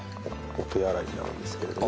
お手洗いになるんですけども。